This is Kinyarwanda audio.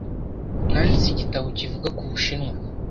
Nanditse igitabo kivuga ku Bushinwa.